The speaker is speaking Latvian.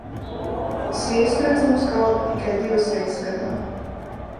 Sviestu redzam uz galda tikai divas reizes gadā.